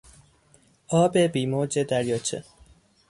آب بیموج دریاچه